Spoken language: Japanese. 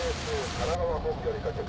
神奈川本部より各局。